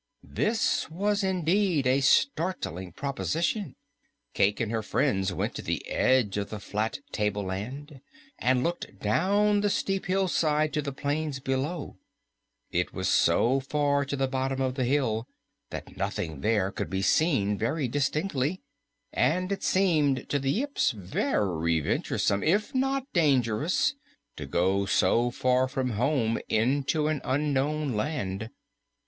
This was indeed a startling proposition. Cayke and her friends went to the edge of the flat tableland and looked down the steep hillside to the plains below. It was so far to the bottom of the hill that nothing there could be seen very distinctly, and it seemed to the Yips very venturesome, if not dangerous, to go so far from home into an unknown land.